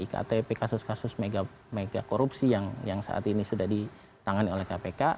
ktp kasus kasus mega korupsi yang saat ini sudah ditangani oleh kpk